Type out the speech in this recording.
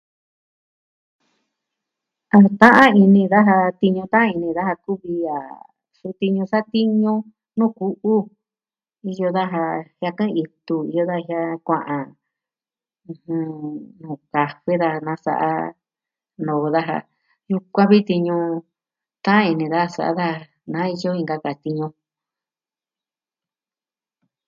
A ta'an ini daja, tiñu ta'an ini daja kuvi a su tiñu satiñu nuu ku'u. Iyo daja jiakɨn itu, iyo daja kua'an. ɨjɨn... kafe da nasa'a, noo daja. Yukuan vi tiñu ta'an ini daa sa'a daa. Na iyo inka ka tiñu.